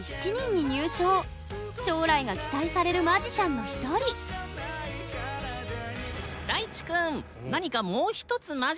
将来が期待されるマジシャンの一人大智くん何かもう一つマジック見せてくれる？